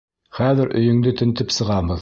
Хәҙер өйөңдө тентеп сығабыҙ.